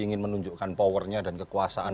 ingin menunjukkan power nya dan kekuasaan